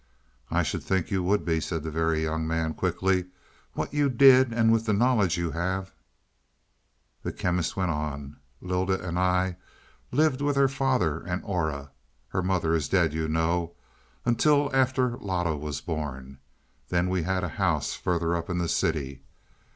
"I should think you would be," said the Very Young Man quickly. "What you did, and with the knowledge you have." The Chemist went on. "Lylda and I lived with her father and Aura her mother is dead you know until after Loto was born. Then we had a house further up in the city.